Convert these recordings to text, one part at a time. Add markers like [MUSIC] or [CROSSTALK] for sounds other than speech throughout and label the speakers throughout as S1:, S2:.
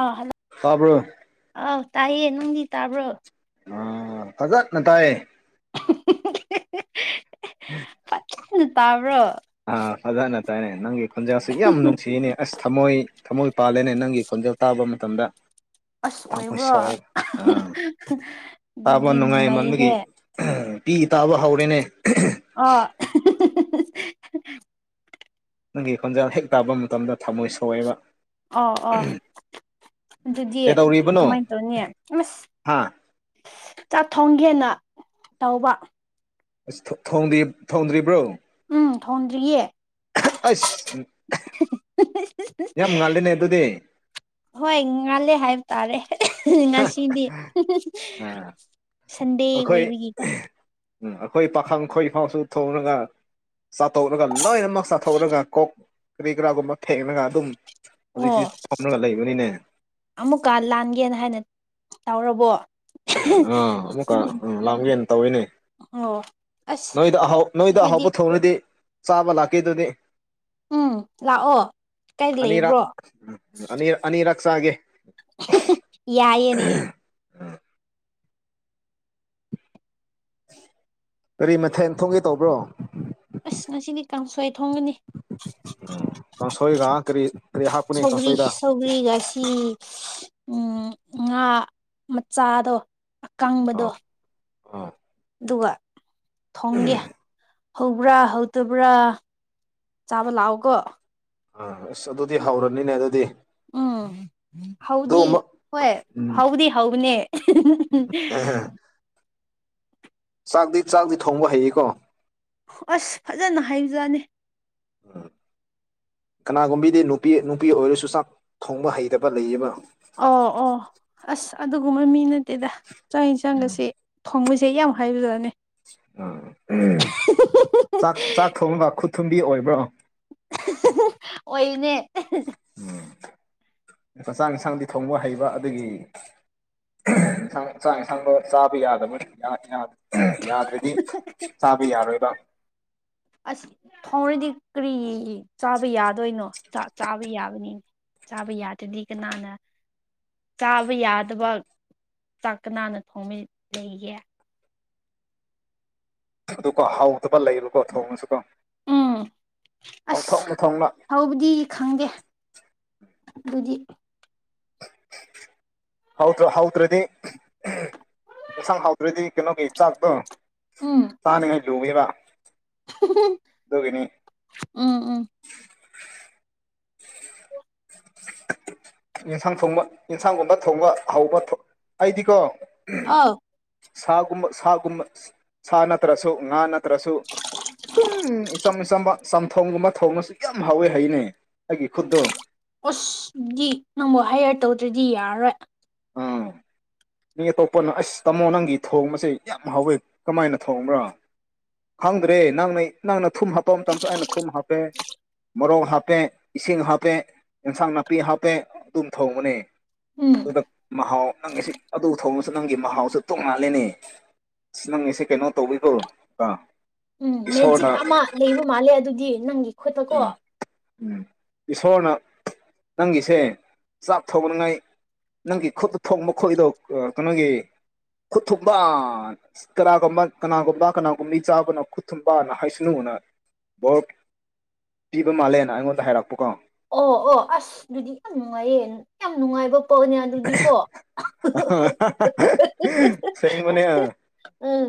S1: ꯑꯥ hello
S2: ꯇꯥꯕ꯭ꯔꯣ
S1: ꯑꯥꯎ ꯇꯥꯏꯌꯦ ꯅꯨꯡꯗꯤ ꯇꯥꯕ꯭ꯔꯣ
S2: ꯎ ꯐꯖꯠꯅ ꯇꯥꯏꯌꯦ
S1: ꯐꯠꯖꯅ ꯇꯥꯕ꯭ꯔꯣ
S2: ꯑ ꯑꯗꯥꯏꯅꯥ ꯇꯥꯏꯅꯦ ꯅꯪꯒꯤ ꯈꯣꯟꯖꯦꯜꯁꯤ ꯌꯥꯝ ꯅꯨꯡꯁꯤꯅꯦ ꯑꯁ ꯊꯃꯣꯏ ꯊꯃꯣꯏ ꯄꯥꯜꯂꯦꯅꯦ ꯅꯪꯒꯤ ꯈꯣꯟꯖꯦꯜ ꯇꯥꯕ ꯃꯇꯝꯗ
S1: ꯑꯁ
S2: ꯊꯃꯣꯏ
S1: ꯑꯣꯏꯕ꯭ꯔꯣ
S2: ꯁꯣꯛꯑꯦꯕ ꯑꯥ ꯇꯥꯕ
S1: ꯑꯗꯨꯗꯤ
S2: ꯅꯨꯡꯉꯥꯏ ꯃꯟꯕꯒꯤ
S1: ꯅꯨꯡꯉꯥꯏꯌꯦꯍꯦ
S2: ꯄꯤ ꯇꯥꯕ ꯍꯧꯔꯦꯅꯦ
S1: ꯑ [UNINTELLIGIBLE]
S2: ꯅꯪꯒꯤ ꯈꯣꯟꯖꯦꯜ ꯍꯦꯛ ꯇꯥꯕ ꯃꯇꯝꯗ ꯊꯝꯃꯣꯏ ꯁꫭꯛꯑꯦꯕ
S1: ꯑꯣ ꯑꯣ ꯑꯗꯨꯗꯤ
S2: ꯀꯩꯗꯧꯔꯤꯕꯅꯣ
S1: ꯀꯃꯥꯏꯅ ꯇꯧꯅꯤ ꯑꯁ
S2: ꯍꯥ
S1: ꯆꯥꯛ ꯊꯣꯡꯒꯦꯅ ꯇꯧꯕ
S2: ꯊꯣꯡꯗ꯭ꯔꯤ ꯊꯣꯡꯗ꯭ꯔꯤꯕ꯭ꯔꯣ
S1: ꯎꯝ ꯊꯣꯡꯗ꯭ꯔꯤꯌꯦ
S2: ꯑꯩꯁ
S1: [UNINTELLIGIBLE]
S2: ꯌꯥꯝ ꯉꯜꯂꯤꯅꯦ ꯑꯗꯨꯗꯤ
S1: ꯍꯣꯏ ꯏ ꯉꯂꯦ ꯍꯥꯏ ꯇꯥꯔꯦ [UNINTELLIGIBLE]
S2: ꯍꯥ
S1: ꯉꯁꯤꯗꯤ
S2: ꯑꯥ
S1: ꯁꯟꯗꯦ
S2: ꯑꯩꯈꯣꯏ
S1: ꯑꯣꯏꯕꯒꯤꯀꯣ
S2: ꯎꯝ ꯑꯩꯈꯣꯏ ꯄꯥꯈꯪ ꯈꯣꯏ ꯐꯥꯎꯁꯨ ꯊꯣꯡꯉꯒ ꯆꯥꯊꯣꯛꯂꯒ ꯂꯣꯏꯅꯃꯛ ꯆꯥꯊꯣꯛꯔꯒ ꯀꯣꯛ ꯀꯔꯤ ꯀꯔꯥꯒꯨꯝꯕ ꯊꯦꯡꯡꯂꯒ ꯑꯗꯨꯝ ꯍꯨꯖꯤꯛꯗꯤ
S1: ꯑꯣ
S2: ꯊꯝꯂꯒ ꯂꯩꯕꯅꯤꯅꯦ
S1: ꯑꯃꯨꯛꯀ ꯂꯥꯟꯒꯦꯅ ꯍꯥꯏꯅ ꯇꯧꯔꯕꯣ
S2: ꯑꯥ ꯑꯃꯨꯛꯀ ꯂꯥꯡꯒꯦꯟ ꯇꯧꯋꯤꯅꯦ
S1: ꯑꯣ ꯑꯁ
S2: ꯅꯣꯏꯗ ꯑꯍꯥꯎ ꯅꯣꯏꯗ
S1: ꯑꯩꯈꯣꯏꯗꯤ
S2: ꯑꯍꯥꯎꯕ ꯊꯣꯡꯅꯗꯤ ꯆꯥꯕ ꯂꯥꯛꯀꯦꯗꯨꯅꯤ
S1: ꯎꯝ ꯂꯥꯛꯑꯣ ꯀꯥꯏꯗ
S2: ꯑꯅꯤꯔꯛ
S1: ꯂꯩꯕ꯭ꯔꯣ
S2: ꯑꯅꯤ ꯑꯅꯤꯔꯛ ꯆꯥꯒꯦ
S1: ꯌꯥꯏꯌꯦꯅꯦ
S2: ꯀꯔꯤ ꯃꯊꯦꯟ ꯊꯣꯡꯒꯦ ꯇꯧꯕ꯭ꯔꯣ
S1: ꯑꯁ ꯉꯁꯤꯗꯤ ꯀꯥꯡꯁꯣꯏ ꯊꯣꯡꯉꯅꯤ
S2: ꯀꯥꯡꯁꯣꯏꯒ ꯀꯔꯤ ꯀꯔꯤ ꯍꯥꯞꯀꯅꯤ
S1: ꯁꯧꯒ꯭ꯔꯤ
S2: ꯀꯥꯡꯁꯣꯏꯗ
S1: [UNINTELLIGIBLE] ꯉꯥ ꯃꯆꯥꯗꯣ ꯑꯀꯪꯕꯗꯣ
S2: ꯑꯥ ꯑꯥ
S1: ꯑꯗꯨꯒ ꯊꯣꯡꯒꯦ ꯍꯧꯕ꯭ꯔꯥ ꯍꯧꯗꯕ꯭ꯔꯥ ꯆꯥꯕ ꯂꯥꯛꯑꯣꯀꯣ
S2: ꯑꯥ ꯑꯁ ꯑꯗꯨꯗꯤ ꯍꯧꯔꯅꯤꯅꯦ ꯑꯗꯨꯗꯤ
S1: ꯎꯝ ꯍꯧꯗꯤ
S2: ꯑꯗꯨꯒꯨꯝꯕ
S1: ꯍꯣꯏ
S2: ꯎꯝ
S1: ꯍꯎꯕꯨꯗꯤ ꯍꯧꯕꯅꯦ
S2: ꯆꯥꯛꯗꯤ ꯆꯥꯛꯗꯤ ꯊꯣꯡꯕ ꯍꯩꯌꯦꯀꯣ
S1: ꯑꯁ ꯐꯖꯅ ꯍꯩꯏꯕꯖꯥꯠꯅꯤ [UNINTELLIGIBLE]
S2: ꯀꯅꯥꯒꯨꯝꯕꯤꯗꯤ ꯅꯨꯄꯤ ꯅꯨꯄꯤ ꯑꯣꯏꯔꯁꯨ ꯆꯥꯛ ꯊꯣꯡꯕ ꯍꯩꯇꯕ ꯂꯩꯌꯦꯕ
S1: ꯑꯣ ꯑꯣ ꯑꯁ ꯑꯗꯨꯒꯨꯝꯕ ꯃꯤ ꯅꯠꯇꯦꯗ ꯆꯪ ꯏꯟꯁꯡꯒꯁꯦ ꯊꯣꯡꯕꯁꯦ ꯌꯥꯝ ꯍꯥꯏꯕꯖꯥꯅꯦ
S2: ꯆꯥꯛ ꯆꯥꯛ ꯊꯣꯡꯕ ꯈꯨꯠ ꯊꯨꯝꯕꯤ ꯑꯣꯏꯕ꯭ꯔꯣ
S1: ꯑꯣꯏꯅꯦ
S2: ꯎꯝ ꯆꯥꯛ ꯏꯟꯁꯥꯡꯗꯤ ꯊꯣꯡꯕ ꯍꯩꯕ ꯑꯗꯨꯒꯤ ꯆꯥꯛ ꯏꯟꯁꯥꯡꯗꯣ ꯆꯥꯕ ꯌꯥꯗꯕ ꯌꯥ ꯌꯥ ꯌꯥꯗ꯭ꯔꯗꯤ ꯆꯥꯕ ꯌꯥꯔꯣꯏꯕ
S1: ꯑꯁ ꯊꯥꯎꯔꯗꯤ ꯀꯔꯤ ꯆꯥꯕ ꯌꯥꯗꯣꯏꯅꯣ ꯆꯥꯕ ꯌꯥꯕꯅꯤꯅꯦ ꯆꯥꯕ ꯌꯥꯗ꯭ꯔꯗꯤ ꯀꯅꯥꯅ ꯆꯥꯕ ꯌꯥꯗꯕ ꯆꯥꯛ ꯀꯟꯅꯅ ꯊꯣꯡꯕ ꯂꯩꯒꯦ
S2: ꯑꯗꯨꯀꯣ ꯍꯥꯎꯗꯕ ꯂꯩꯕꯀꯣ ꯊꯣꯡꯔꯁꯨꯀꯣ
S1: ꯎꯝ ꯑꯁ
S2: ꯊꯣꯡꯅ
S1: ꯍꯧꯕꯗꯤ ꯈꯪꯗꯦ ꯑꯗꯨꯗꯤ
S2: ꯍꯥꯎꯇꯔ ꯍꯥꯎꯇꯔꯥꯗꯤ ꯌꯦꯟꯁꯥꯡ ꯍꯥꯎꯇꯔꯗꯤ ꯀꯩꯅꯣꯒꯤ ꯆꯥꯛꯇꯣ
S1: ꯎꯝ
S2: ꯆꯥꯅꯤꯡꯉꯥꯏ ꯂꯨꯋꯦꯕ
S1: ꯎꯝ ꯎꯝ
S2: ꯑꯦꯟꯁꯥꯡ ꯊꯣꯡꯕ ꯑꯦꯟꯁꯥꯡꯒꯨꯝꯕ ꯊꯣꯡꯕ ꯍꯧꯕ ꯑꯩꯗꯤꯀꯣ
S1: ꯑꯥꯎ
S2: ꯁꯥꯒꯨꯝꯕ ꯁꯥꯒꯨꯝꯕ ꯁꯥ ꯅꯠꯇ꯭ꯔꯁꯨ ꯉꯥ ꯅꯠꯇ꯭ꯔꯁꯨ ꯑꯗꯨꯝꯝ ꯑꯆꯝꯕ ꯆꯝꯊꯣꯡꯒꯨꯝꯕ ꯊꯣꯡꯉꯁꯨ ꯌꯥꯝ ꯍꯥꯎꯋꯦ ꯍꯩꯅꯦ ꯑꯩꯒꯤ ꯈꯨꯠꯇꯣ
S1: ꯑꯁ ꯗꯤ ꯅꯪꯕꯨ ꯍꯥꯏꯌꯔ ꯇꯧꯗ꯭ꯔꯗꯤ ꯌꯥꯔꯔꯣꯏ
S2: ꯑꯥ
S1: [INAUDIBLE]
S2: ꯃꯤ ꯑꯇꯣꯞꯄꯅ ꯑꯁ ꯇꯥꯃꯣ ꯅꯪꯒꯤ ꯊꯣꯡꯕꯁꯦ ꯌꯥꯝ ꯍꯥꯎꯋꯦ ꯀꯃꯥꯏꯅ ꯊꯣꯡꯕ꯭ꯔ ꯈꯪꯗ꯭ꯔꯦ ꯅꯪꯅ ꯅꯪꯅ ꯊꯨꯝ ꯍꯥꯞꯄ ꯃꯇꯝꯁꯨ ꯑꯩꯅ ꯊꯨꯝ ꯍꯥꯞꯄꯦ ꯃꯔꯣꯛ ꯍꯥꯞꯄꯦ ꯏꯁꯤꯡ ꯍꯥꯞꯄꯦ ꯑꯦꯟꯁꯥꯡ ꯅꯥꯄꯤ ꯍꯥꯞꯄꯦ ꯑꯗꯨꯝ ꯊꯣꯡꯕꯅꯦ
S1: ꯎꯝ
S2: ꯑꯗꯨꯗ ꯃꯍꯥꯎ ꯅꯪꯒꯤꯁꯦ ꯑꯗꯨ ꯊꯣꯡꯉꯥꯁꯨ ꯅꯪꯒꯤ ꯃꯍꯥꯎꯁꯨ ꯇꯣꯡꯉꯥꯜꯂꯤꯅꯤ ꯑꯁ ꯅꯪꯉꯤꯁꯦ ꯀꯩꯅꯣ ꯇꯧꯕꯤꯀꯣ
S1: ꯎꯝ ꯃꯦꯖꯤꯛ ꯑꯃ ꯂꯩꯕ ꯃꯥꯜꯂꯦ ꯑꯗꯨꯗꯤ ꯅꯪꯒꯤ ꯈꯨꯠꯇꯨ ꯀꯣ
S2: ꯎꯝ ꯎꯝ ꯏꯁꯣꯔꯅ ꯅꯪꯒꯤꯁꯦ ꯆꯥꯛ ꯊꯣꯡꯅꯤꯉꯥꯏ ꯅꯪꯒꯤ ꯈꯨꯠꯇ ꯊꯣꯡꯕ ꯈꯣꯏꯗꯣ ꯀꯩꯅꯣꯒꯤ ꯈꯨꯠ ꯊꯨꯝꯕ ꯀꯅꯥꯒꯨꯝꯕ ꯀꯅꯥꯒꯨꯝꯕ ꯀꯅꯥꯒꯨꯝꯕꯤ ꯆꯥꯕꯅ ꯈꯨꯠ ꯊꯨꯝꯕꯅ ꯍꯥꯏꯁꯅꯨꯅ ꯄꯤꯕ ꯃꯥꯜꯂꯦꯅ ꯑꯩꯉꯣꯟꯗ ꯍꯥꯏꯔꯛꯄꯀꯣ
S1: ꯑꯣ ꯑꯣ ꯑꯁ ꯑꯗꯨꯗꯤ ꯌꯥꯝ ꯅꯨꯡꯉꯥꯏꯌꯦ ꯌꯥꯝ ꯅꯨꯡꯉꯥꯏꯕ ꯄꯥꯇꯅꯦ ꯑꯗꯨꯗꯤꯀꯣ
S2: ꯁꯦꯡꯕꯅꯦ
S1: ꯎꯝ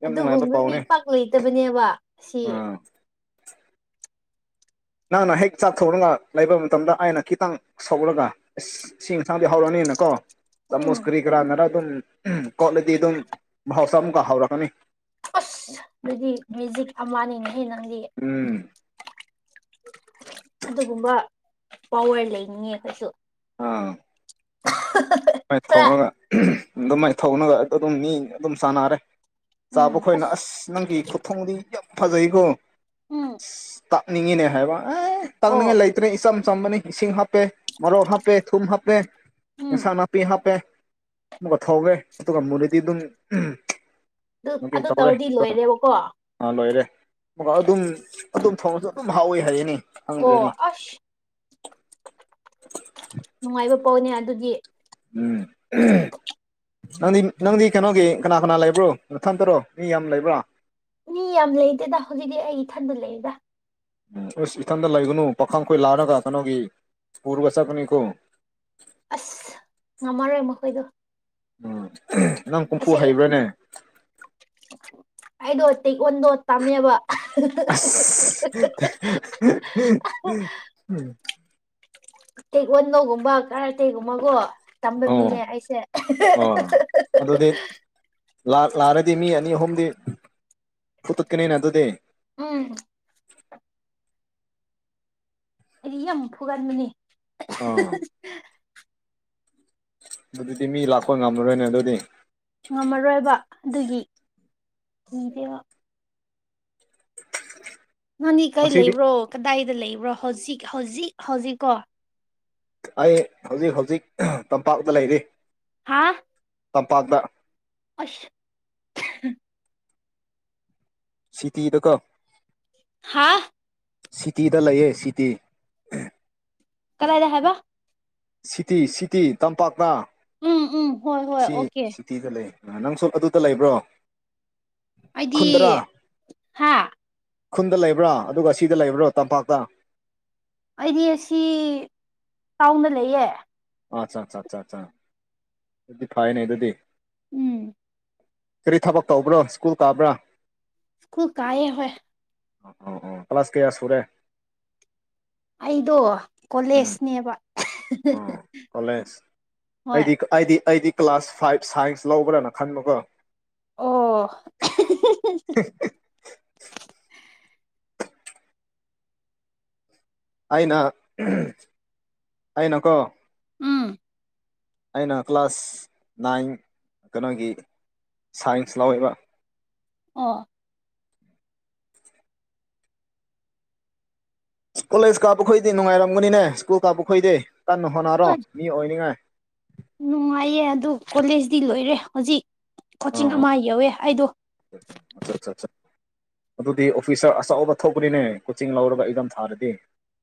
S2: ꯌꯥꯝ ꯅꯨꯡꯉꯥꯏꯕ
S1: ꯑꯗꯨꯒꯨꯝꯕ ꯃꯤ
S2: ꯄꯥꯎꯅꯦ
S1: ꯄꯥꯛ ꯂꯩꯇꯕꯅꯦꯕ ꯁꯤ
S2: ꯎꯝ ꯅꯪꯅ ꯍꯦꯛ ꯆꯥꯊꯣꯛꯂꯒ ꯂꯩꯕ ꯃꯇꯝꯗ ꯑꯩꯅ ꯈꯤꯇꯪ ꯁꯧꯔꯒ ꯑꯁ ꯁꯤ ꯏꯟꯁꯥꯡꯗꯤ ꯍꯧꯔꯅꯤꯅ ꯀꯣ ꯆꯥꯃꯨꯁ
S1: ꯎꯝ
S2: ꯀꯔꯤ ꯀꯔꯥꯅꯗ ꯗꯨꯝ ꯑꯝꯍ ꯀꯣꯠꯂꯗꯤ ꯗꯨꯝ ꯃꯍꯥꯎꯁꯥ ꯃꯨꯛꯀ ꯍꯧꯔꯛꯀꯅꯤ꯫
S1: ꯑꯁ ꯑꯗꯨꯗꯤ ꯃꯦꯖꯤꯛ ꯑꯃꯅꯤꯅꯍꯦ ꯅꯪꯗꯤ
S2: ꯎꯝ__
S1: ꯑꯗꯨꯒꯨꯝꯕ ꯄꯋꯥꯔ ꯂꯩꯅꯤꯡꯉꯦ ꯑꯩꯈꯣꯏꯁꯨ
S2: ꯑꯥ__
S1: ꯑꯍ-ꯍ-ꯍ-ꯍ__
S2: ꯃꯥꯏ ꯊꯧꯅꯒ ꯑꯗꯨ ꯃꯥꯏ ꯊꯧꯅꯒ ꯑꯗꯨ ꯑꯗꯨꯝ ꯃꯤ ꯑꯗꯨꯝ ꯆꯥꯟꯅꯔꯦ ꯆꯥꯕꯈꯣꯏꯅ ꯑꯁ ꯅꯪꯒꯤ ꯈꯨꯊꯣꯡꯗꯤ ꯌꯥꯝ ꯐꯖꯩꯀꯣ
S1: ꯎꯝ
S2: ꯇꯥꯛꯅꯤꯡꯉꯤꯅꯦ ꯍꯥꯏꯕ ꯑꯦ
S1: ꯑꯣ
S2: ꯇꯥꯛꯅꯤꯡꯉꯥꯏ ꯂꯩ__ ꯏꯆꯝ ꯆꯝꯕꯅꯤ ꯏꯁꯤꯡ ꯍꯥꯞꯄꯦ ꯃꯔꯣꯛ ꯍꯥꯞꯄꯦ ꯊꯨꯝ ꯍꯥꯞꯄꯦ
S1: ꯎꯝ
S2: ꯑꯦꯟꯁꯥꯡ ꯅꯥ ꯄꯦ ꯍꯥꯞꯄꯦ ꯑꯃ ꯊꯧꯔꯦ ꯑꯗꯨꯒ ꯃꯨꯨꯔꯗꯤ ꯑꯗꯨꯝ
S1: ꯗ
S2: ꯀꯩ
S1: ꯑꯗꯨ
S2: ꯇꯧꯔꯦ
S1: ꯇꯧꯔꯗꯤ ꯂꯣꯏꯔꯦꯕꯀꯣ꯫
S2: ꯑꯥ ꯂꯣꯏꯔꯦ ꯑꯗꯨꯝ ꯑꯗꯨꯝ ꯊꯣꯡꯁꯨ ꯑꯗꯨꯝ ꯍꯥꯎꯋꯤ ꯍꯥꯏꯌꯦꯅꯤ
S1: ꯑꯣ ꯑꯁ ꯅꯨꯡꯉꯥꯏꯕ ꯄꯥꯎꯅꯦ ꯑꯗꯨꯗꯤ
S2: ꯎꯝ ꯑꯍ ꯅꯪꯗꯤ__ ꯅꯪꯗꯤ ꯀꯩꯅꯣꯒꯤ ꯀꯅꯥ ꯀꯅꯥ ꯂꯩꯕ꯭ꯔꯣ ꯅꯊꯟꯇꯔꯣ ꯃꯤ ꯌꯥꯝ ꯂꯩꯕ꯭ꯔꯣ
S1: ꯃꯤ ꯌꯥꯝ ꯂꯩꯇꯦꯗ ꯍꯧꯖꯤꯛꯇꯤ ꯑꯩ ꯏꯊꯟꯗ ꯂꯩꯗ꯫
S2: ꯎ ꯑꯁ ꯏꯊꯟꯗ ꯂꯩꯒꯅꯨ ꯄꯥꯈꯪꯈꯣꯏ ꯂꯥꯔꯒ ꯀꯩꯅꯣꯒꯤ ꯄ ꯄꯨꯔꯕꯁꯈꯅꯤ ꯀꯣ
S1: ꯑꯁ ꯉꯝꯃꯔꯣꯏ ꯃꯈꯣꯏꯗꯣ꯫
S2: ꯎꯝ ꯅꯪ ꯍꯨꯝꯐꯨ
S1: ꯑꯩꯁꯦ
S2: ꯍꯩꯕ꯭ꯔꯥꯅꯦ
S1: ꯑꯩꯗꯣ ꯇꯦꯛ ꯑꯣꯟꯗꯣ ꯇꯝꯃꯦꯕ
S2: ꯎꯝ
S1: ꯇꯦꯛꯒꯟꯗꯣꯒꯨꯝꯕ ꯀꯔꯥꯇꯦꯛꯒꯨꯝꯕꯒꯣ ꯇꯝꯕ ꯃꯤꯅꯦ
S2: ꯑꯣ
S1: ꯑꯩꯁꯦ
S2: ꯑꯣ
S1: ꯑꯍ-ꯍ-ꯑꯍ-ꯍ-ꯍ꯫
S2: ꯑꯗꯨꯗꯤ ꯂꯥꯛꯔꯗꯤ ꯃꯤ ꯑꯅꯤ ꯑꯍꯨꯝꯗꯤ ꯐꯨꯊꯛꯀꯅꯤꯅ ꯑꯗꯨꯗꯤ
S1: ꯎꯝ__ ꯑꯩꯗꯤ ꯌꯥꯝ ꯐꯨꯒꯟꯕꯅꯦ꯫
S2: ꯑꯥ ꯃꯗꯨꯗꯤ ꯃꯤ ꯂꯥꯛꯄ ꯉꯝꯂꯔꯣꯏꯅꯦ ꯑꯗꯨꯗꯤ꯫
S1: ꯉꯝꯃꯔꯣꯏꯕ ꯑꯗꯨꯒꯤ ꯀꯤꯗꯦꯕ ꯅꯣꯅꯤ ꯀꯩ
S2: ꯉꯁꯤꯗꯤ
S1: ꯂꯩꯕ꯭ꯔꯣ ꯀꯗꯥꯏꯗ ꯂꯩꯕ꯭ꯔꯣ ꯍꯧꯖꯤꯛ ꯍꯧꯖꯤꯛ ꯍꯧꯖꯤꯛꯀꯣ꯫
S2: ꯑꯩ ꯍꯧꯖꯤꯛ ꯍꯧꯖꯤꯛ ꯇꯝꯄꯥꯛꯇ ꯂꯩꯔꯤ
S1: ꯍꯥꯥ__
S2: ꯇꯄꯥꯇ
S1: ꯑꯁ__
S2: ꯁꯤꯇꯤꯗ ꯀꯣ
S1: ꯍꯥꯥ
S2: ꯁꯤꯇꯤꯗ ꯂꯩꯌꯦ ꯁꯤꯇꯤ
S1: ꯀꯗꯥꯥꯏꯗ ꯍꯥꯏꯕ꯫
S2: ꯁꯤꯇꯤ ꯁꯤꯇꯤ ꯇꯝꯄꯥꯛꯅ
S1: ꯎꯝ ꯎꯝ ꯍꯣꯏ ꯍꯣꯏ ꯑꯣꯀꯦ
S2: ꯁꯤ ꯗꯤꯗ ꯂꯦ ꯅꯪꯁꯨ ꯑꯗꯨꯗ ꯂꯩꯕ꯭ꯔꯣ꯫
S1: ꯑꯩꯗꯤ
S2: ꯈꯨꯟꯗꯔꯥ꯫
S1: ꯍꯥ
S2: ꯈꯨꯟꯗ ꯂꯩꯕ꯭ꯔꯥ ꯑꯗꯨꯒ ꯁꯤꯗ ꯂꯩꯕ꯭ꯔꯥ ꯇꯝꯄꯥꯛꯇ
S1: ꯑꯩꯗꯤ ꯑꯁꯤ ꯇꯥꯎꯅ ꯂꯩꯌꯦ꯫
S2: ꯑꯠꯆꯥ ꯑ ꯑ ꯑ ꯑꯗꯨꯗꯤ ꯐꯩꯅꯦ ꯑꯗꯨꯗꯤ
S1: ꯎꯝ__
S2: ꯀꯔꯤ ꯊꯕꯛ ꯇꯧꯕ꯭ꯔꯣ ꯁ꯭ꯀꯨꯜ ꯀꯥꯕ꯭ꯔꯥ
S1: ꯁ꯭ꯀꯨꯜ ꯀꯑꯌꯦ ꯍꯣꯏ꯫
S2: ꯑꯣ ꯑ ꯑꯣ ꯀ꯭ꯂ꯭ꯂꯥꯁ ꯀꯌꯥ ꯁꯨꯔꯦ꯫
S1: ꯑꯩꯗꯣ
S2: ꯎꯝ
S1: ꯀꯣꯂꯦꯖꯅꯦꯕ꯫
S2: ꯑꯣ ꯀꯂꯦꯖ
S1: ꯍꯣꯏ
S2: ꯑꯩꯗꯤꯑꯩꯗꯤꯑꯩꯗꯤ__ ꯀ꯭ꯂꯥꯁ ꯐꯥꯏꯚ ꯁꯥꯏꯟꯁ ꯂꯧꯕ꯭ꯔꯥꯅ ꯈꯟꯕꯒꯣ꯫
S1: ꯑꯣ
S2: [UNINTELLIGIBLE] ꯑꯩꯅ ꯎꯝ ꯑꯩꯅꯀꯣ__
S1: ꯎꯝ__
S2: ꯑꯩꯅ ꯀ꯭ꯂꯥꯁ ꯅꯥꯏꯟ ꯀꯩꯅꯣꯒꯤ ꯁꯥꯏꯟꯁ ꯂꯧꯥꯎꯋꯦꯕ꯫
S1: ꯑꯣ꯫
S2: ꯀꯣꯂꯦꯖ ꯀꯥꯞꯄ ꯈꯣꯏꯗꯤ ꯅꯨꯡꯉꯥꯏꯔꯝꯒꯅꯤꯅꯦ ꯁ꯭ꯀꯨꯜ ꯀꯥꯞꯄ ꯈꯣꯏꯗꯤ ꯀꯟꯅ ꯍꯣꯠꯅꯔꯣ ꯃꯤ ꯑꯣꯏꯅꯤꯉꯥꯏ꯫
S1: ꯅꯨꯡꯉꯥꯏꯌꯦ ꯑꯗꯨ ꯀꯣꯂꯦꯖꯇꯤ ꯂꯣꯏꯔꯦ ꯍꯧꯖꯤꯛ ꯀꯣꯆꯤꯡ ꯑꯃ ꯌꯧꯋꯦ ꯑꯩꯗꯣ꯫
S2: ꯑꯆꯥ ꯑꯆꯥ꯫ ꯑꯗꯨꯗꯤ ꯑꯣꯐꯤꯁꯥꯔ ꯑꯆꯧꯕ ꯊꯣꯛꯄꯅꯤꯅꯦ ꯀꯣꯆꯤꯡ ꯂꯧꯔꯒ ꯏꯗꯝ ꯊꯥꯔꯗꯤ꯫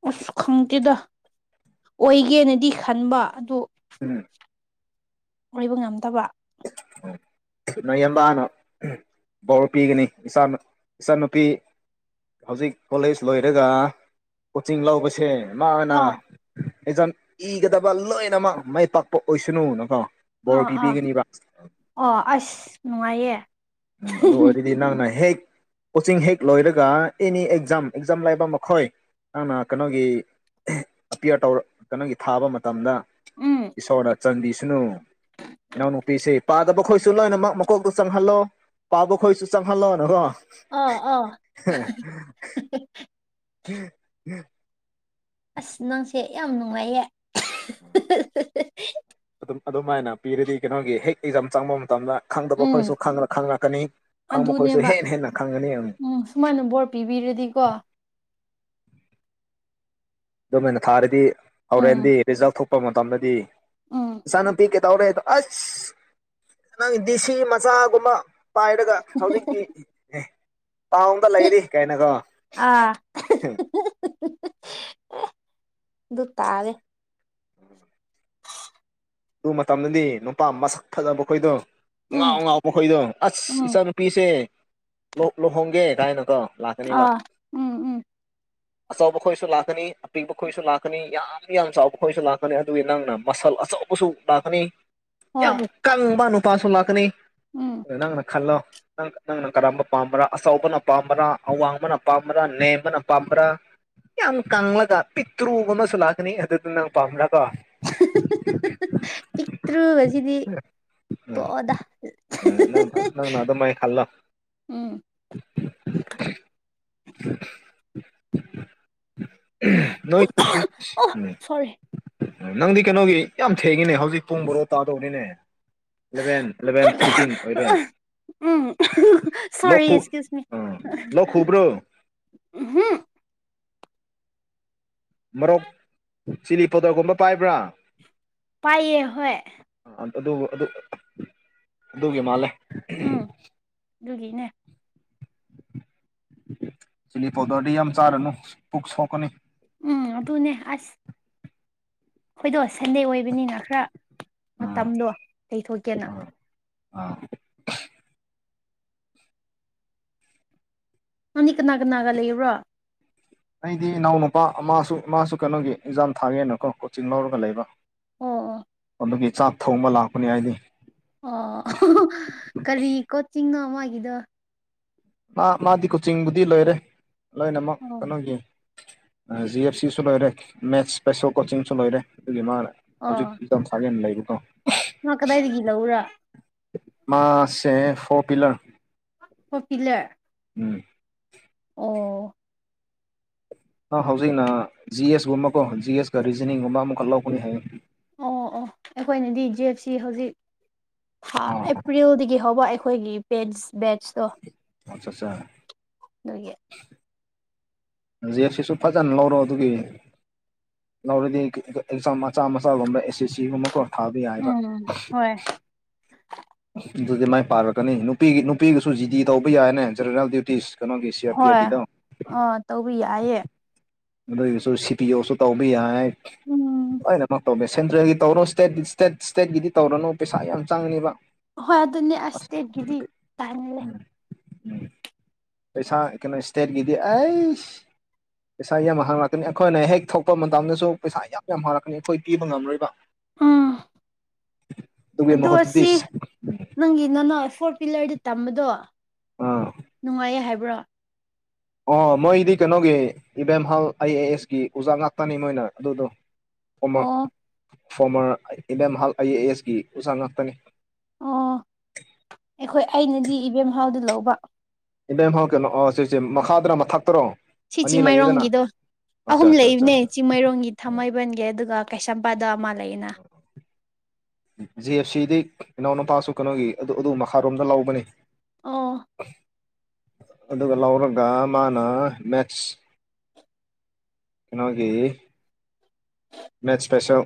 S1: ꯑꯁ ꯈꯪꯗꯦꯗ ꯑꯣꯏꯒꯦꯅꯗꯤ ꯈꯟꯕ ꯑꯗꯣ__
S2: ꯎꯝ__
S1: ꯑꯣꯏꯕ ꯉꯝꯗꯕ__
S2: ꯅꯌꯕꯥꯅ ꯕꯔ ꯄꯤꯒꯅꯤ ꯏꯆꯥ ꯏꯆꯟꯅꯨꯄꯤ꯫ ꯍꯧꯖꯤꯛ ꯀꯣꯂꯦꯖ ꯂꯣꯏꯔꯒ ꯀꯣꯆꯤꯡ ꯂꯧꯕꯁꯦ__ ꯃꯥꯅ
S1: ꯑꯥ
S2: ꯑꯦꯖꯝ ꯏꯒꯗꯕ ꯂꯣꯏꯅꯃꯛ ꯃꯥꯏ ꯄꯥꯛꯄ ꯑꯣꯏꯁꯅꯨꯅꯀꯣ꯫ ꯕꯣꯔ
S1: ꯑꯥ ꯑꯥ
S2: ꯄꯤꯕꯤꯒꯅꯤꯕ꯫
S1: ꯑꯣ ꯑꯁ ꯅꯨꯡꯉꯥꯏꯌꯦ꯫
S2: ꯗꯤ ꯅꯪꯅ ꯍꯦꯛ ꯀꯣꯆꯤꯡ ꯍꯦꯛ ꯂꯣꯏꯔꯒ ꯑꯦꯅꯤ ꯑꯦꯛꯖꯥꯝ ꯑꯦꯛꯖꯥꯝ ꯂꯩꯕ ꯃꯈꯣꯏ__ ꯅꯪꯅ ꯀꯩꯅꯣꯒꯤ ꯑꯄꯤꯌꯥꯔ ꯇꯧꯔ ꯀꯩꯅꯣꯒꯤ ꯊꯥꯕ ꯃꯇꯝꯗ꯫
S1: ꯎꯝ
S2: ꯏꯁꯣꯔꯗ ꯆꯟꯗꯤꯁꯅꯨ ꯏꯅꯥꯎ ꯅꯨ꯫ ꯄꯤꯁꯦ ꯄꯥꯗꯕ ꯈꯣꯏꯁꯨ ꯂꯣꯏꯅꯃꯛ ꯃꯀꯣꯛꯇꯨ ꯆꯪꯍꯜꯂꯣ ꯄꯥꯕ ꯈꯣꯏꯁꯨ ꯆꯪꯍꯜꯂꯣꯅꯀꯣ꯫
S1: ꯑꯥ ꯑꯥ꯫
S2: ꯍꯑ ꯍ ꯍ__ [UNINTELLIGIBLE]
S1: ꯑꯁ ꯅꯪꯁꯦ ꯌꯥꯝ ꯅꯨꯡꯉꯥꯏꯌꯦ꯫
S2: ꯑꯗꯨꯝ ꯑꯗꯨꯃꯥꯏꯅ ꯄꯤꯔꯗꯤ ꯀꯩꯅꯣꯒꯤ ꯍꯦꯛ ꯑꯦꯛꯖꯥꯝ ꯆꯪꯕ ꯃꯇꯝꯗ__ ꯈꯪꯗꯕ
S1: ꯎꯝ
S2: ꯈꯣꯏꯁꯨ ꯈꯪ ꯈꯪꯂꯛꯀꯅꯤ ꯈꯪꯕ ꯃꯈꯈꯣꯏꯁꯨ ꯍꯦꯟꯅ ꯍꯦꯟꯅ ꯈꯪꯒꯅꯤ ꯫
S1: ꯃꯥꯅ ꯕꯣꯔ ꯄꯤꯕꯤꯔꯗꯤꯀꯣ__
S2: ꯑꯗꯨꯃꯥꯏꯅ ꯊꯥꯔꯗꯤ
S1: ꯎꯝ
S2: ꯍꯧꯔꯦꯟꯗꯤ ꯔꯤꯖꯜ ꯊꯣꯛꯄ ꯃꯇꯝꯗꯗꯤ
S1: ꯎꯝ
S2: ꯏꯆꯥꯅꯨꯄꯤ꯫ ꯇꯧꯔꯦꯗ ꯑꯁ ꯅꯪ ꯗꯤꯁꯤ ꯃꯆꯥꯒꯨꯝꯕ__ ꯄꯥꯏꯔꯒ ꯍꯧꯖꯤꯛꯇꯤ ꯏ ꯑꯦꯍ__ ꯇꯥꯎꯟꯗ ꯂꯩꯔꯤ ꯀꯥꯏꯅꯀꯣ꯫
S1: [UNINTELLIGIBLE] ꯑꯦ ꯗꯨ ꯇꯥꯔꯦ꯫
S2: ꯑꯗꯨ ꯃꯇꯝꯗꯗꯤ ꯅꯨꯄꯥ ꯃꯁꯛ ꯐꯖꯕ ꯑꯩꯈꯣꯏꯗꯣ__
S1: ꯎꯝ
S2: ꯉꯥꯎ ꯉꯥꯎꯕꯣꯏꯗꯣ ꯑꯁ
S1: ꯎꯝ
S2: ꯏꯆꯥꯅꯨꯄꯤꯁꯦ ꯂꯨꯍꯣꯡꯒꯦ ꯀꯥꯏꯅꯀꯣ꯫ ꯂꯥꯛꯀꯅꯦꯕ [INAUDIBLE] __
S1: ꯑꯥ ꯎꯝ [INAUDIBLE]
S2: ꯑꯆꯧꯕ ꯈꯣꯏꯁꯨ ꯂꯥꯛꯀꯅꯤ꯫ ꯑꯄꯤꯛꯄ ꯈꯣꯏꯁꯨ ꯂꯥꯛꯀꯅꯤ ꯌꯥꯝ ꯌꯥꯝ ꯆꯥꯎꯕ ꯈꯣꯏꯁꯨ ꯂꯥꯛꯀꯅꯤ ꯑꯗꯨꯒꯤ ꯅꯪꯅ ꯃꯁꯜ ꯑꯆꯧꯕ꯫ ꯕꯨꯁꯨ ꯂꯥꯛꯀꯅꯤ ꯌꯥꯝ
S1: ꯍꯣꯏ
S2: ꯀꯪꯕ ꯅꯨꯄꯥꯁꯨ ꯂꯥꯛꯀꯅꯤ꯫
S1: ꯎꯝ
S2: ꯅꯪꯡꯅ ꯈꯂꯣ꯫ ꯅꯪ ꯅꯪꯅ ꯀꯔꯝꯕ ꯄꯥꯝꯕ꯭ꯔꯥ ꯑꯆꯧꯕꯅ ꯄꯥꯝꯕꯔꯥ ꯑꯋꯥꯡꯕꯅ ꯄꯥꯝꯕ꯭ꯔꯥ ꯅꯦꯝꯕꯅ ꯄꯥꯝꯕ꯭ꯔꯥ꯫ ꯌꯥꯝ ꯀꯪꯂꯒ ꯄꯤꯛꯇ꯭ꯔꯨꯕ ꯑꯃꯁꯨ ꯂꯥꯛꯀꯅꯤ ꯑꯗꯨꯗꯨ ꯅꯪ ꯄꯥꯝꯂꯀꯣ꯫
S1: ꯄꯤꯛꯇ꯭ꯔꯨ ꯑꯁꯤꯗꯤ꯫
S2: ꯎꯝ
S1: ꯇꯣꯑꯣꯗ
S2: ꯅꯪ ꯅꯪꯅ ꯑꯗꯨꯃꯥꯏꯅ ꯈꯜꯂꯣ
S1: ꯑꯍ-ꯍ-ꯍ-ꯍ-ꯎꯝ꯫
S2: ꯅꯣꯏ꯫
S1: ꯑꯣ ꯁꯣꯔꯤ
S2: ꯅꯪꯗꯤ ꯀꯩꯅꯣꯒꯤ ꯌꯥꯝ ꯊꯦꯡꯉꯤꯅꯦ ꯍꯧꯖꯤꯛ ꯄꯨꯡ ꯕꯣꯔꯣ ꯇꯥꯗꯧꯕꯅꯤꯅꯦ꯫ ꯏꯂꯚꯦꯟ ꯏꯂꯚꯦꯟ ꯊꯥꯔꯇꯤꯟ ꯑꯣꯏꯔꯦ
S1: ꯎꯝ
S2: ꯂꯣ
S1: ꯁꯣꯔꯤ
S2: ꯈꯨ
S1: ꯑꯦꯛꯁꯀ꯭ꯌꯨꯁ ꯃꯤ
S2: ꯑꯥ ꯂꯣ ꯈꯨꯕ꯭ꯔꯨ
S1: ꯎꯍꯨꯝ
S2: ꯃꯣꯔꯣꯛ ꯆꯤꯂꯤ ꯄꯥꯎꯗ꯭ꯔꯒꯨꯝꯕ ꯄꯥꯏꯕ꯭ꯔꯥ
S1: ꯄꯥꯏꯌꯦ ꯍꯣꯏ
S2: ꯑꯗꯨ ꯑꯗꯨ ꯑꯗꯨꯒꯤ ꯃꯥꯜꯂꯦ
S1: ꯎꯝ ꯑꯗꯨꯒꯤꯅꯦ
S2: ꯆꯤꯂꯤ ꯄꯥꯎꯗꯔꯗꯤ ꯌꯥꯝ ꯆꯥꯔꯅꯨ ꯄꯨꯛ ꯁꯣꯛꯀꯅꯤ
S1: ꯎꯝ ꯑꯗꯨꯅꯦ ꯑꯁ ꯑꯩꯈꯣꯏꯗꯣ ꯁꯟꯗꯦ ꯑꯣꯏꯕꯅꯤꯅ ꯈꯔ ꯃꯇꯝꯗꯣ ꯀꯩꯊꯣꯛꯀꯦꯅ
S2: ꯑ
S1: ꯅꯪꯅꯤ ꯀꯅꯥ ꯀꯅꯥꯒ ꯂꯩꯕꯨꯔꯣ
S2: ꯑꯩꯗꯤ ꯏꯅꯥꯎ ꯅꯨꯨꯄꯥ ꯃꯥꯁꯨ ꯏꯃꯥꯁꯨ ꯀꯩꯅꯣꯒꯤ ꯑꯦꯛꯖꯥꯝ ꯊꯥꯒꯦꯅꯀꯣ ꯀꯣꯆꯤꯡ ꯂꯧꯔꯒ ꯂꯩꯕ
S1: ꯑꯣ ꯑꯣ
S2: ꯑꯗꯨꯒꯤ ꯆꯥꯛ ꯊꯣꯡꯕ ꯂꯥꯛꯄꯅꯤ ꯍꯥꯏꯗꯤ
S1: ꯑꯣ ꯀꯔꯤ ꯀꯣꯆꯤꯡꯅꯣ ꯃꯥꯒꯤꯗꯣ
S2: ꯃꯥ ꯃꯥꯗꯤ ꯀꯣꯆꯤꯡꯕꯨꯗꯤ ꯂꯣꯏꯔꯦ ꯂꯣꯏꯅꯃꯛ
S1: ꯑꯣ
S2: ꯀꯩꯅꯣꯒꯤ ꯖꯤ ꯑꯦꯐ ꯁꯤꯁꯨ ꯂꯣꯏꯔꯦ ꯃꯦꯠꯁ ꯏꯁꯄꯦꯁꯦꯜ ꯀꯣꯆꯤꯡꯁꯨ ꯂꯣꯏꯔꯦ ꯑꯗꯨꯒꯤ ꯃꯥꯅ ꯍꯧꯖꯤꯛ
S1: ꯑꯣ
S2: ꯁꯥꯒꯅ ꯂꯩꯕꯗꯣ
S1: ꯃꯥ ꯀꯗꯥꯏꯗꯒꯤ ꯂꯧꯎꯔꯥ
S2: ꯃꯥꯁꯦ ꯐꯣꯔ ꯄꯤꯂꯔ
S1: ꯍꯀꯤꯂꯦ
S2: ꯎꯝ
S1: ꯑꯣ
S2: ꯑ ꯍꯧꯖꯤꯛꯅ ꯖꯤ ꯑꯦꯁꯒꯨꯝꯕ ꯀꯣ ꯖꯤ ꯑꯦꯁꯀ ꯔꯤꯖꯅꯤꯡꯒꯨꯝꯕ ꯑꯃꯈꯛ ꯂꯧꯒꯅꯤ ꯍꯥꯏꯌꯦ
S1: ꯑꯣ ꯑꯣ ꯑꯩꯈꯣꯏꯅꯗꯤ ꯖꯦꯞꯁꯤ ꯍꯧꯖꯤꯛ
S2: ꯑꯥ
S1: ꯑꯦꯄ꯭ꯔꯤꯜꯗꯒꯤ ꯍꯧꯕ ꯑꯩꯈꯣꯏꯒꯤ ꯄꯦꯟꯠꯁ ꯕꯦꯠꯁꯇꯣ
S2: ꯑꯆꯥ ꯑꯠꯆꯥ
S1: ꯅꯣꯏꯌꯦ
S2: ꯖꯦꯛꯁꯤꯁꯨ ꯐꯖꯅ ꯂꯧꯔꯣ ꯑꯗꯨꯒꯤ ꯂꯧꯔꯗꯤ ꯑꯦꯛꯖꯥꯝ ꯃꯆꯥ ꯃꯆꯥꯒꯨꯝꯕ ꯑꯦꯁ ꯑꯦꯁ ꯁꯤꯒꯨꯝꯕ ꯀꯣ ꯊꯥꯕ ꯌꯥꯏꯕ
S1: ꯎꯝ ꯍꯣꯏ
S2: ꯑꯗꯨꯗꯤ ꯃꯥꯏ ꯄꯥꯔꯛꯀꯅꯤ ꯅꯨꯄꯤꯒꯤ ꯅꯨꯄꯤꯒꯤꯁꯨ ꯖꯤꯗꯤ ꯇꯧꯕ ꯌꯥꯏꯅꯦ ꯖꯦꯅꯔꯦꯜ ꯗ꯭ꯌꯨꯇꯤꯁ ꯀꯩꯅꯣꯒꯤꯁꯤ
S1: ꯍꯣꯏ ꯑꯥ ꯇꯧꯕꯤ ꯌꯥꯏꯌꯦ
S2: ꯑꯗꯨꯏꯒꯤꯁꯨ ꯁꯤ ꯄꯤ ꯑꯣꯁꯨ ꯇꯧꯕ ꯌꯥꯏ
S1: ꯎꯝ
S2: ꯂꯣꯏꯅꯃꯛ ꯇꯧꯕꯦ ꯁꯦꯟꯇ꯭ꯔꯦꯜꯒꯤ ꯇꯧꯔꯅꯣ ꯏꯁꯇꯦꯠ ꯏꯁꯇꯦꯠ ꯏꯁꯇꯦꯠꯀꯤꯗꯤ ꯇꯧꯔꯅꯣ ꯄꯩꯁꯥ ꯌꯥꯝ ꯆꯪꯉꯅꯤꯕ
S1: ꯍꯣꯏ ꯑꯗꯨꯅꯦ ꯑꯁꯇꯒꯤꯗꯤ ꯇꯥꯏꯅꯂꯦ
S2: ꯄꯩꯁꯥ ꯀꯩꯅꯣ ꯏꯁꯇꯦꯠ ꯀꯗꯤ ꯑꯁ ꯄꯩꯁꯥ ꯌꯥꯝ ꯍꯥꯡꯉꯛꯀꯅꯤ ꯑꯩꯈꯣꯏꯅ ꯍꯦꯛ ꯊꯣꯛꯄ ꯃꯇꯝꯗꯁꯨ ꯄꯩꯁꯥ ꯌꯥꯝ ꯌꯥꯝ ꯍꯥꯡꯂꯛꯀꯅꯤ ꯑꯩꯈꯣꯏ ꯄꯤꯕ ꯉꯝꯔꯣꯏꯕ
S1: ꯎꯝ
S2: ꯑꯗꯨꯒꯤ
S1: ꯑꯗꯣ
S2: ꯃꯍꯨꯠꯇꯨꯗꯤ
S1: ꯁꯤ ꯅꯪꯒꯤ ꯅꯅꯥ ꯐꯣꯔ ꯄꯤꯂꯔꯗꯨ ꯇꯝꯕꯗꯣ
S2: ꯑꯥ
S1: ꯅꯨꯡꯉꯥꯏꯌꯦ ꯍꯥꯏꯕ꯭ꯔꯣ
S2: ꯑꯣ ꯃꯣꯏꯗꯤ ꯀꯩꯅꯣꯒꯤ ꯏꯕꯦꯝꯍꯜ ꯑꯥꯏ ꯑꯦ ꯑꯦꯁꯀꯤ ꯑꯣꯖꯥ ꯉꯥꯛꯇꯅꯤ ꯃꯣꯏꯅ ꯑꯗꯨꯗꯣ
S1: ꯑꯣ
S2: ꯐꯣꯔꯃꯔ ꯐꯣꯔꯃꯔ ꯏꯕꯦꯝꯍꯜ ꯑꯥꯏ ꯑꯦ ꯑꯦꯁꯀꯤ ꯎꯖꯥ ꯉꯥꯛꯇꯅꯤ
S1: ꯑꯣ ꯑꯩꯈꯣꯏ ꯑꯩꯅꯗꯤ ꯏꯕꯦꯝ ꯍꯥꯎꯗ ꯂꯧꯕ
S2: ꯏꯕꯦꯝ ꯍꯥꯎ ꯀꯩꯅꯣ ꯁꯤꯁꯦ ꯃꯈꯥꯗꯅ ꯃꯊꯛꯇꯔꯣ
S1: ꯁꯤ
S2: ꯑꯅꯤ ꯂꯩꯌꯦꯗꯅ
S1: ꯆꯤꯡꯃꯩꯔꯣꯡꯒꯤꯗꯣ ꯑꯍꯨꯝ
S2: ꯑꯠꯆꯥ ꯑꯠꯆꯥ ꯑꯠꯆꯥ
S1: ꯂꯩꯏꯕꯅꯦ ꯆꯤꯡꯃꯩꯔꯣꯡꯒꯤ ꯊꯥꯡꯃꯩꯕꯟꯒꯤ ꯑꯗꯨꯒ ꯀꯩꯁꯥꯝꯄꯥꯗ ꯑꯃ ꯂꯩꯌꯦꯅ
S2: ꯖꯤ ꯑꯦꯐ ꯁꯤꯗꯤ ꯏꯅꯥꯎꯅꯨꯄꯥꯁꯨ ꯀꯩꯅꯣꯒꯤ ꯑꯗꯨ ꯑꯗꯨ ꯃꯈꯥꯔꯣꯝꯗ ꯂꯧꯕꯅꯤ
S1: ꯑ
S2: ꯑꯗꯨꯒ ꯂꯧꯔꯒ ꯃꯥꯅ ꯃꯦꯠꯁ ꯀꯩꯅꯣꯒꯤ ꯃꯦꯠꯁꯄꯦꯁꯦꯜ